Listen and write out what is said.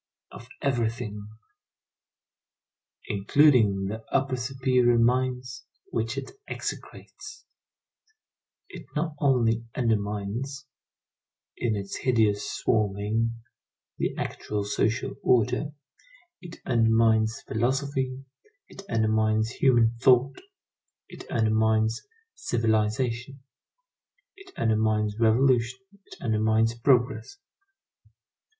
Of everything. Including the upper superior mines, which it execrates. It not only undermines, in its hideous swarming, the actual social order; it undermines philosophy, it undermines human thought, it undermines civilization, it undermines revolution, it undermines progress.